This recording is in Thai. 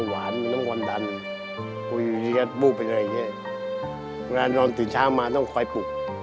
เวลานอนติดช้ามาต้องคอยปลูก